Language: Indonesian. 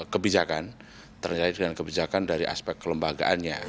kebijakan terkait dengan kebijakan dari aspek kelembagaannya